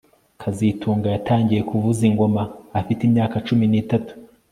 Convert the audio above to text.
kazitunga yatangiye kuvuza ingoma afite imyaka cumi nitatu